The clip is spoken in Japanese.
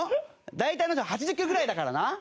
大体あの人８０キロぐらいだからな。